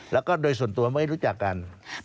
แล้วก็โดยส่วนตัวไม่รู้จักกัน